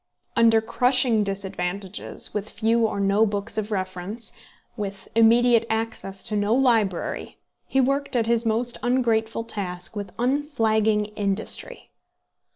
Under crushing disadvantages, with few or no books of reference, with immediate access to no library, he worked at his most ungrateful task with unflagging industry.